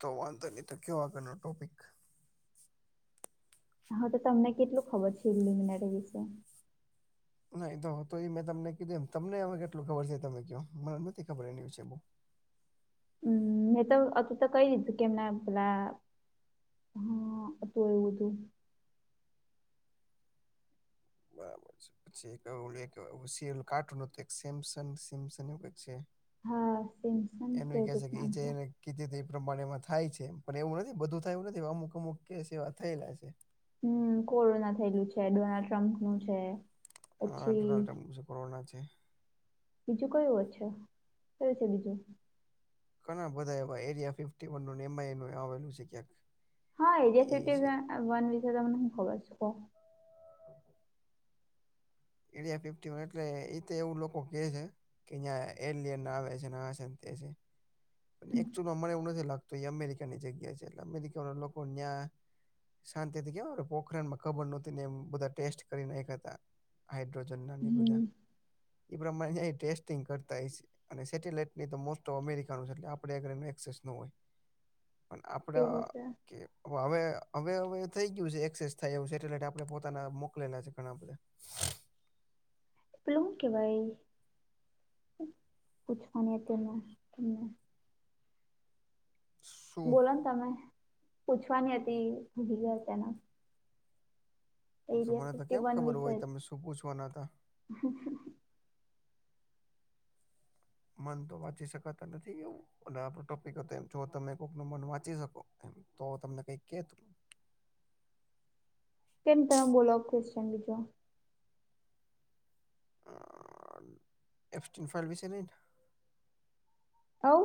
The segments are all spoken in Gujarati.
તો વાંધો નહી તો કેવયો આગળનો ટોપિક હા તો તમને કેટલું ખબર છેલુમિનારી વિશે. ના તો તો મેં તમને કીધું એ તમને હ કેટલું ખબર છે તમે કહો મને નથી ખબર એની વિશેે બહુ હમ્મ મેં તો અતુ તો કઈ દીધું કે ના રા હમ્મ હતું એવું હતું. બરાબર છે. પછી એક ઓલું રશિયન કાર્ટૂન હતું એક સેમસ સેમ એવું કઈક છે હા સિમસન એનું કેવું કે છે કઈક કે એ નામ જેને કીધ તો એ પ્રમાણે એમાં થાય છે પણ એવું નથી બધું થાય એવું નથી અમુક અમુક કેસ એવા થયેલા છે હમ્મ કોરોના થયેલું છે ડોનાલ્ડ ટ્રમ્પનું છે. હા પછી ડોનાલ્ડ ટ્રમ્પ જે કોરોના છે બીજું કયું હ છે કયુ છે બીજું ઘણા બધા એવા એરિયા ફિફ્ટી વનનું એમાં એનું આવેલું છે ક્યાંક હા એયા એ છે સુ વન વિશે તમને હું ખબર છે કોન એડિયા ફિફ્ટી વન એટલે એ તો એવું લોકો કે છે કે અહીંયા એલિયન આવે છે આ છે તે છે પણ એકચુલ માં મને એવું નથી લાગતું એ અમેરિકાની જગ્યા છે એટલે અમેરિકાના લોકો ન્યા શાંતિ થી કેવા પોખરાણ માં કબર નોતી ને એ બધા ટેસ્ટ કરી નાખ્યા હતા. હાઇડ્રોજન ના ને એ બધા હમ એ પ્રમાણે ટેસ્ટિંગ કરતા છે અને સેટેલાઈટ ની તો મોસ્ટ ઓફ અમેરિકા આપ આપણે એકસેસ નો હોય પણ એ આપડે રીતે કે હવે હવે હવે થઈ ગયું છે એક્સેસ થાય એવુ સેટેલાઈટ આપણે પોતાના મોકલેલા છે ઘણા બધા [inaudible] પેલું હું કેવાય ભાઈ પૂછવાની તમને [inaudible] બોલો ને તમે પૂછવાની હતી [unintelligible] તેના એરિયા મને તો ફિફ્ટી કેમ વન ખબર વિશે હોય જ તમે શું પૂછવાના હતા [inaudible] મન તો વાંચી શકાતા નથી એવું આપણ ટોપિક હતા એમ જો તમે કોઈક નુ મન વાંચી શકો એમ તો તમને કઈક કેત કેમ તમે બોલો ક્વેશન બીજો એફટન ફાઈલ વિશે નહી આઉ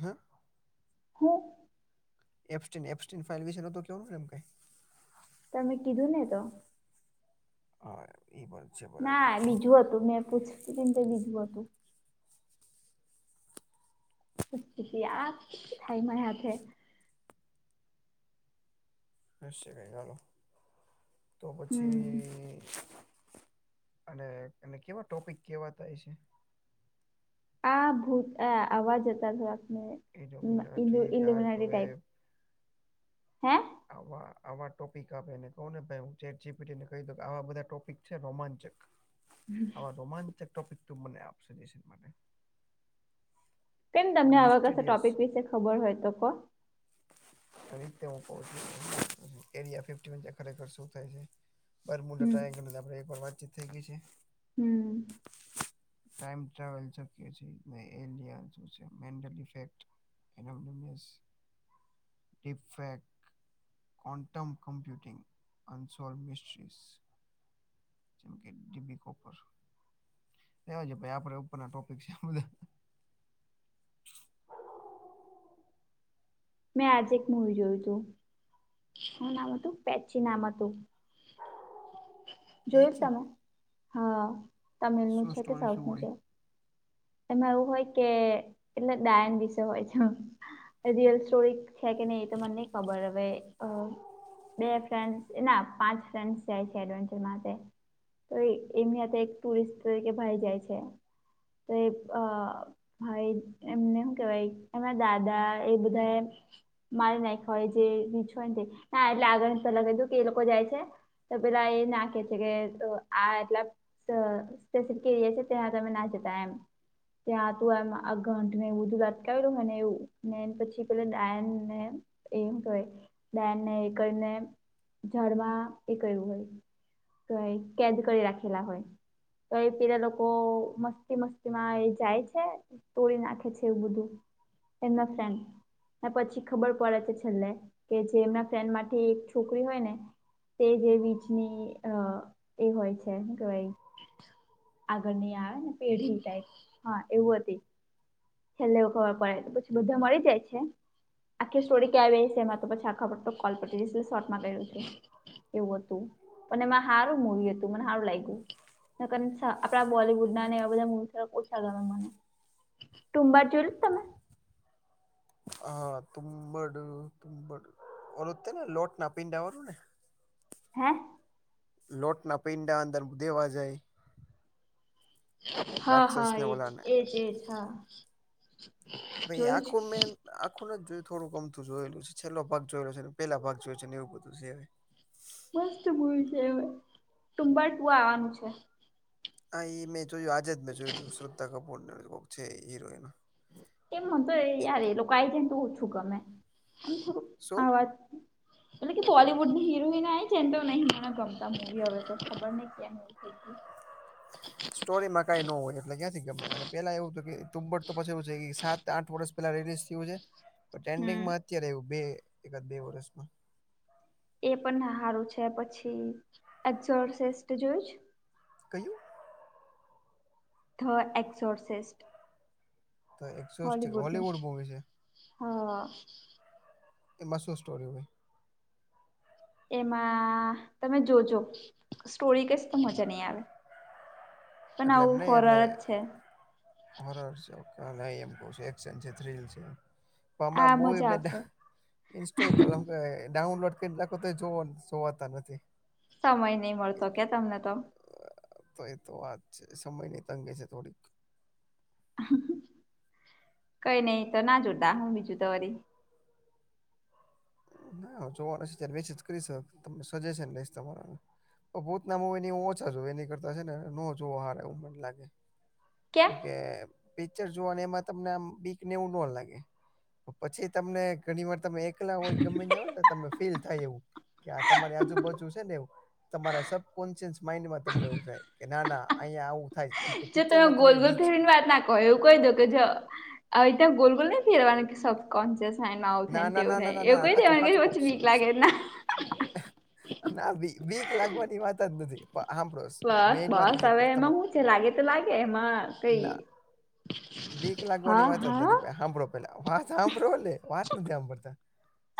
હે હૂં એપ્સ્ટન એપ્સ્ટન ફાઇલ વિશે નતો કેવાનું ને એમ કઈ તમે કીધું ને તો હા એ પણ છે બરાબર ના છે બીજું હતું મેં પૂછતી હતી ને તે બીજું હતું આ હાઈમાં હાથેે. હશે કાઈક હાલો તો હમ પછી અને એને કેવા ટોપિક કેવાતા હશે? આ ભૂત આ આવાજ હતાં એ [unintelligible] ઈ ડોમિનાટી ડાર્ક ઈલ્યુમિનારી ટાઈપ વેબ હે? આવા આવા ટોપિક આપે એને કહું ને ભાઈ હું ચેટ જી પી ટીને કહી દઉ કે આવાં બધાં ટોપિક છે રોમાંચક. આ રોમાચક ટોપિક તું મને આપ સજેશન માટે. કેમ તમને આવા કશા મિસ્ટીરિયસ ટોપિક વિશે ખબર હોય તો કો. તે રીતે હું કહું એરિયા ફિફ્ટી વન છે ખરેખર શું થાય છે. બરમુલા હમ ટ્રાયેન્ગલ ની તો આપણે એકવાર વાતચીત થઈ ગઈ છે. હમ્મ. ટાઈણ ટ્રાવેલ છ કેજે એન [unintelligible] મેન્ડલ ઈફેક્ટ. એનો એમ ઓ મેસ. Defect, quantum computing, unsolved mysteries. જેમ કે ડિબી કોપર. રેવા દયો ભાઈ આપણે ઉપરના ટોપિક છે બધાં. હ મેં આજે એક મૂવી જોયું તું. શું નામ હતું પેચ નામ હતું, જોયું છે પેચી તમે? હા તમિલનું શું છે કે સ્ટોરી શું સાઉથનું હોય છે? એમાં એવું હોય કે કેટલા ડાયન વિશે હોય છે. રિયલ સ્ટોરી છે કે નહીં એ તો મને નહીં ખબર હવે. બે ફ્રેન્ડસ ના પાંચ ફ્રેન્ડસ જાય છે એડવેન્ચર માટે. તો એ એમની હાથે એક ટુરિસ્ટ તરીકે ભાઈ જાય છે. તો એ અ ભાઈ એમને હું કેવાય એમના દાદા એ બધાં મારી નાયખા હોય જે રીછ હોયન તે હા એટલે આગળ પહેલાં કીધું કે એ લોકો જાય છે. તો પેલા એ નાખે છે કે અ આ એટલાં તો કેશે કે તમે ના જતાં એમ. ત્યાં હતું એમ આ ઘંટને એવું બધું લટકાયુ અને એવું ને એન પછી પેલી ડાયનને એ હું કેવાય ડાયનને એ કરીને ઝાડમાં એ કર્યું હોય. ક કેદ કરી રાખેલા હોય તો એ પેલા લોકો મસ્તી મસ્તી માં એ જાય છે તોડી નાખે છે એવું બધું એનો ફ્રેન્ડ. ને પછી ખબર પડે છે છેલ્લે કે જે એમના ફ્રેન્ડમાંથી એક છોકરી હોય ને તે જે વીચની અ એ હોય છે હું કેવાય આગળની આવેને પેઢી ટાઈપ હા એવું હતી. છેલ્લે એવું ખબર પડે તો પછી બધાં મરી જાય છે. આખી સ્ટોરી ક્યાં આયવી હશે એમાં તો પછી આખા કોલ પતી જશે શોર્ટમાં કહયું છે. એવું હતું પણ એમાં હારું મૂવી હતું મને હારું લાયગુ. નકર આપણા બોલીવુડના ને એવા બધા મૂવી થોડા ઓ છા ગમે મને તુંબા જોયું છે તમે? હા તુંબડ તુંબડ ઓરું તે ને લોટના પીંડાવાળુંને? હે? લોટના પિંડા અંદર દેવા જાય. હ હ એજ રાક્ષસને ઓલાને એજ એજ હા. ભઈ જોયું છે. આખું મેન આખું નથ જોયું થોડું ગણું તો જોયેલું છે છેલ્લો ભાગ જોયેલો છે ને પેહલા ભાગ જોયો છે એવું બધું છે અવે. મસ્ત ભૂલ છે તુંબર ટુ આવાનું છે. હા ઈ મેં જોયું આજે જ મેં જોયું તું શ્રદ્ધા કપૂર ને કોક છે હીરોઈન. એ મન તો એ યાર એ લોકા આ જાયને તો ઓછું ગમે અને થોડું શું આ વાત એટલે કે બોલીવુડ ની હીરોઈન આઈ છે તો નઈ ગમતા હિરોને મુવી હવે ખબર ક્યામ [inaudible] [inaudible] સ્ટોરીમાં કાંઈ ન હોય એટલે ક્યાંથી ગમે અને પેલા એવું હત તુંબટ તો પછી એવું છે કે સાત આઠ વર્ષ પે રિલીઝ થયું ટ્રેડિંગ હમ માં અત્યારે આયુ બે એકાદ બે વર્ષમાં એ પણ સારું છે પછી [inaudible] જોયું કયું ધ એક્સોર્સેસ્ટ તો એક્ઝોસ્ટ હોલીવુડ નું મૂવી છે હ એમાં શું સ્ટોરી હોય એમાં તમે જોજો સ્ટોરી કશ તો મજા નહી આવે પણ એટલે એમ આવું નહીં હોરર જ છે એટલે [unintelligible] છે ના ના એમ સાવએક્શન છે થ્રીલ છે પ આ હમણાં મુવી મજા મેને આવશે ઇન્સ્ટોલ કર કે ડાઉનલોડ કેટલાકતે જોવા જોવાતા નથી સમય નહી મળતો કે તમને તો તો એ તો વાત છે સમય ની તંગી છે થોડીક કઈ નહી તો ના જોતા બીજું તો વરી હ [unintelligible] [unintelligible] સજેશન લઈશ તમારા ભૂતના મુવી ની હું ઓછા જોવ એની કરતા છે ને ન જોવા સારા એવું મને લાગે. કેમ કે પિક્ચર જોવા એમાં તમને આમ બીકને એવું ન લાગે પછી તમને ઘણી વાર તમે એકલા હોય ગમે ન્યા હોય ને તમે ફીલ થાય એવું કે આ તમારી આજુબાજુ છે ને એવુ. તમારા સબ કોન્શિયસ માઈન્ડમાં તમને એવું થાય કે ના ના અહીંયા આવું થાય જ જો તમે ગોલ ગોલ ફેરવી ની વાત નાખ એવું કહી, દો કે જો આવી રીતે ગોલ ગોલ નઈ ફેરવાની કોન્સિયન્સ થાય ને આવું ના થાય ના તેવું ના ના થાય ના એવું ના કઈ હાચો દેવા કે હાચો કહું પછી સ બીક સ લાગે ને ના બી બીક લાગવાની વાત જ નથી, પ સાંભળો બસ બસ હવે એમાં શું છે, લાગે તો લાગે એમાં કઈ ના બીક લાગવાની હા વાત જ હા નથી કાઈ સાંભળો પેલા વાત સાંભળોને વાત નથી સાંભળતા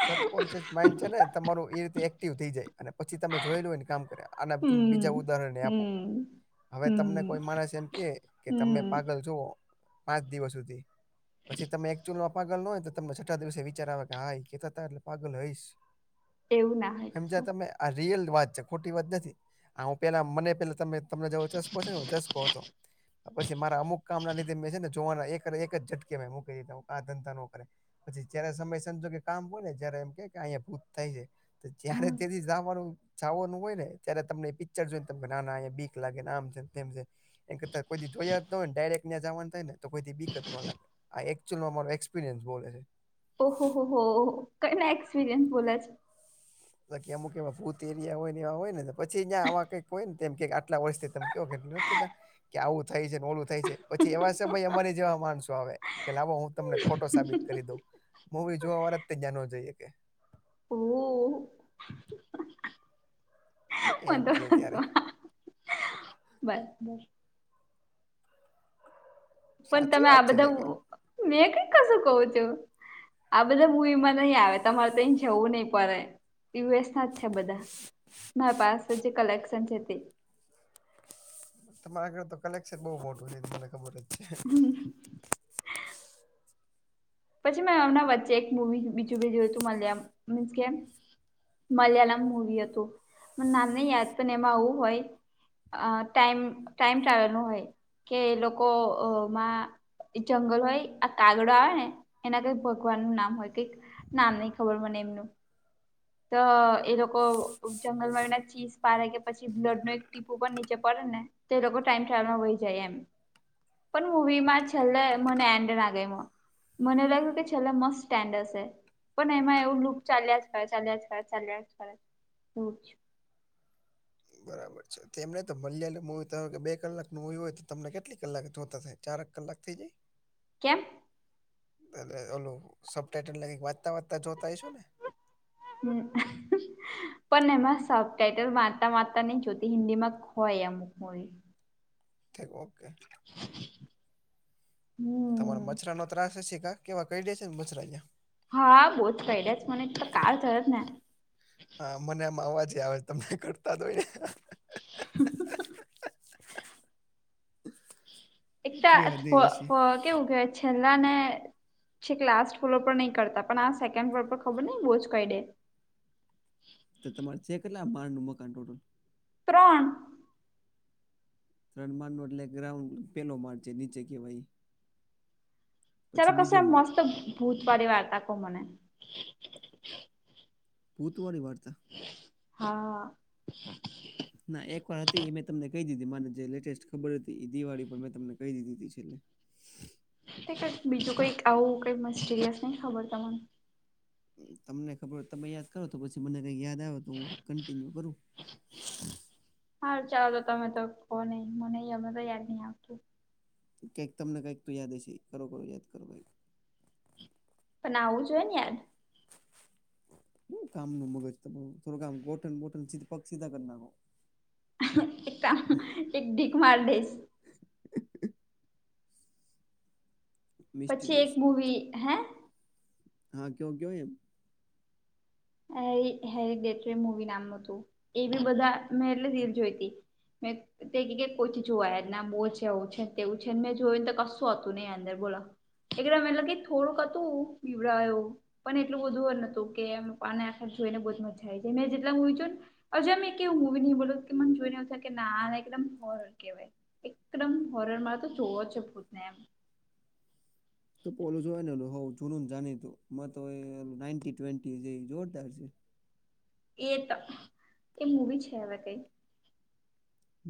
સબકોન્શિયસ માઈન્ડ છે, ને તમારું એ રીતે એક્ટિવ થઈ જાય અને પછી તમે જોયેલું હોય, ને કામ કરે આના ત હમ બીજા ઉદાહરણને આપુ હમ હવે તમને હમ કોઈ માણસ એમ કે કે તમે હમ પાગલ છો પાંચ દિવસ સુધી પછી તમે એકચૂલમાં પાગલ ન હોય, તો તમને [unintelligible] દિવસે વિચાર આવે કે હા ઈ કેતાતા હું પાગલ હોઈશ એવું ના હોય સમજ્યા કશું તમે આ રિયલ વાત છે ખોટી વાત નથી આહું પેલા મને પેલા તમે તમને ચસ્કો છે, ને ચસ્કો હતો પછી મારા અમુક કામ ના લીધે મે છે ને જોવાના એક એક જ ઝટકે મે મૂકી દીધો આ ધંધા ન કરે પછી જયારે સમય સંજોગે કામ હોયને જયારે એમ કે કે આયા ભૂત થાય હે. જયારે હા તેદી જાવાનું જાવાનું હોય, ને ત્યારે તમને પિક્ચર જોઈને તમને નાના આયા બીક લાગેને આમ છે, તેમ છેને- એન કરતા કોઈદી જોયા જ નો હોય ને, ડાયરેક ન્યા જાવા નું થાયને તો કોઈ બીક જ નો લાગે આએક- [unintelligible] અમારો એક્સપિરિયન્સ બોલે છે. ઓહ હો હો કઈ ના એક્સપિરિયન્સ બોલે છે. અમુક એવા ભૂત એરિયા હોયને, હોયને પછીવા કઈક હોયને તેમ કે કેટલા વર્ષથી તમે કયો કે નથી, કેતા કે આવું થાય છે. મોળું થાય છે પછી એવા છે, ભાઈ અમારી જેવા માણસો આવે કે લાવો હું તમને ખોટો સાબિત કરી દઉં મૂવી જોવા વાળા ત્યાં નો જઈ શકે ઓ મ એમ તો છે ત્યારે બસ પણ સાચી તમે વાત આ છે એટલે બધા કે મેં કઈ કશું કઉં છું. આ બધા મૂવીમાં નહી આવે તમારે તો એ જવું નહી પડે. યુએસ ના જ છે બધા મારા પાસે જે કલેક્શન છે તે તમારા ઘર તો કલેક્શન બહુ મોટું છે તમને ખબર જ છે. પછી મેં એમના વચ્ચે એક મુવી બીજું બી જોયું હતું મને મીન્સ કે મલયાલમ મુવી હતુ પણ નામને યાદ પણ એમાં આવું હોય. આ ટાઈમ ટાઈમ ટ્રાવેલ નું હોય. કે એ લોકો માં જંગલ હોય આ કાગડો આવે ને એના કઈક ભગવાન નુ નામ હોય કઈક નામ નહી ખબર મને એમનુ તો એ લોકો જંગલમાં એના ચીઝ પારે કે પછી બ્લડ નું એક ટીપુ પર નીચે પડે ને તો એ લોકો ટાઈમ ટલમાં વય જાય એમ પણ મુવીમાં છેલ્લે મને એન્ડ ના ગમ્યો એમા મને લાગ્યું કે છેલ્લા મસ્ત સ્ડેન્ડ હશે. પણ એમાં એવું લુક ચાલ્યા જ કરે ચાલ્યા જ કરે ચાલ્યા જ કરે. બરાબર છે તેમને એમને તો મલિયાળ મુવી તો કે બે કલાકની મુવી હોય તો તમને કેટલી કલાક જોતા થાય. ચાર કલાક થઈ જાય. કેમ? એટલે ઓલું સબ ટાઈટલ લાગી વાંચતા વાંચતા જોતા હશો ને [unintelligible] પણ એમાં સબ ટાઈટલ વાતા વાતા ની જોતી હિન્દી માં હોય અમુક મૂવી [unintelligible] તમારે હમ મચ્છરા નો ત્રાસ હશે કા કેવા કરડે છે ને મચ્છરા અહિયાં હા બઓ જ પૈડ્યા મને તો કાળ ચલે ને હા મને આમ અવાજે આવે તમને કરતા તો હોય ને [inaudible] એક કેટલી હદે તો હશે અ અ કેવું કેય છેલ્લા ને છેક લાસ્ટ ફ્લોર પર નહીં કરતા પણ આ સેકન્ડ ફ્લોર પર ખબર નહિ બોજ કરડે તમારે ચેકના માર નું મકાન ટોટલ ત્રણ રણ માર નો એટલે ગ્રાઉન્ડ પેલો માર છે નીચે કેહેવાય ચાલો કશે માળ મસ્ત ભૂત વાળી વાર્તા કહો મને ભૂત વળી વાર્તા [inaudible] હા. [inaudible] ના એક વાર હતી એ મેં તમને કહી દીધી માને જે લેટેસ્ટ ખબર હતી એ દિવાળી પણ મેં તમને કહી દીધી હતી છેલે [inaudible] કઈક બીજું કઈક આવું કઈ સીરિયસ નહી ખબર તમને તમને ખબર હો તમે યાદ કરો તો પછી મને કઈ યાદ આવે તો હું કન્ટિન્યુ કરું હા ચાલો તો તમે તો કોહ નહી મને અમે તો યાદ નહી આવતું કઈક તમને કઈક તો યાદ છે કરો કરો યાદ કરો પણ આવવું જોઈએ ને યાર [inaudible] હું કામ નું મગજ થોડું કામ ગોઠન બોગસ પગ સીધા કર ના હો યાદ એક કામ હમ એક ટીક માર દે પછી એક મિસ્ટીરિયસ વાત મૂવી હે હા કયો કયો એમ હા હેરી ડેટ મુવી નામ નુ હતું એ બી બધા મેં એટલે રીલ જોઈ હતી મે. તે ક ક કોઈ જોવા બહુ છે, એવું છે, તેવું છે, ને મેં જોયું ને, તો કશું હતું ને, અંદર બોલો. એક મને લાગે થોડુંક હતું, પીવડાયું પણ એટલું બધું નતું કે એમ. પા આા ધુઈને બદજ જાય છે, મેં જેટલા હોય. હજુ મેં એક એવું મૂવી નહી બોલું કે, મને જોઈને થઈ કે ના, એકદમ, હોરર કેહેવાય. એકદમ, હોરર માં તો જોવો જ ભૂતને એમ. તો પો ઓલું જોવા, હ જૂનું જાણીમાં તો એ ના ટવેન્ટી જે જોરદાર છે. એ તો એ મૂવી છે, હવે કંઈ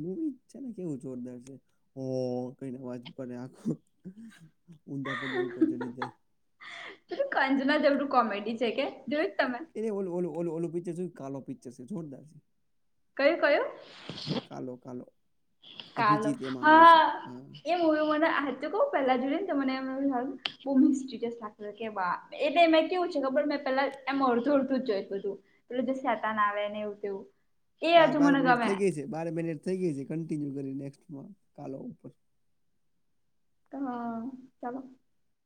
મૂવી છે ને, કેવું જોરદાર છે, કઈને અવાજ કરે, આખું ઊંદા પગે ઉપર ચડી જાય. પ કંજના દેવડું કોમેડી છે કે, જોય તમે? એ, ઓ ઓલ પીછ છે, કાલો પીચ છે, જોરદાર છે. કયું? કયું? કાલ કાલ અભિજીત એમાં આવે છે, હ. પહેલા જો કે. એટ મેં કેવું છે, ખબર મેં પેલા એમ અડધું અડધું જ જોઈતું હતું. પેલું જો સેતા ના આવે ને, એવું તેવું. એ હજુ બાર-બાર મને મિનટ ગમે થઇ હ ગઈ છે, બાર મિનિટ થઇ ગઈ છે, કન્ટિન્યુ કરી, નેક્સ્ટમાં કાલ ઉપર. હા, ચાલો.